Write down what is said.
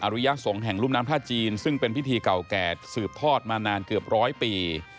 ริยสงฆ์แห่งรุ่มน้ำท่าจีนซึ่งเป็นพิธีเก่าแก่สืบทอดมานานเกือบร้อยปี